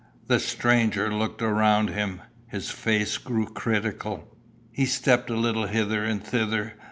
The stranger looked around him. His face grew critical. He stepped a little hither and thither.